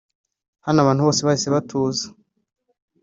Hano abantu bose bahise batuza